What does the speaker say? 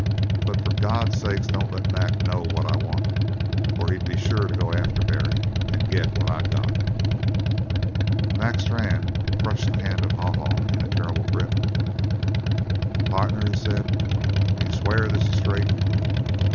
But for God's sake don't let Mac know what I want, or he'd be sure to go after Barry and get what I got.'" Mac Strann crushed the hand of Haw Haw in a terrible grip. "Partner," he said, "d'you swear this is straight?"